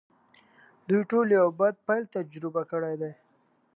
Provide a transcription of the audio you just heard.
دوی ټولو یو بد پیل تجربه کړی دی